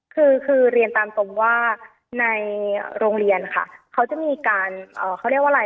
คือคือเรียนตามตรงว่าในโรงเรียนค่ะเขาจะมีการเขาเรียกว่าอะไร